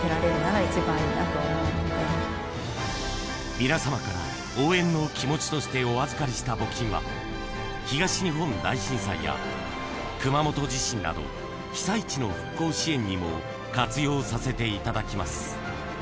みなさまから応援の気持ちとしてお預かりした募金は、東日本大震災や熊本地震など、被災地の復興支援にも活用させていただきます。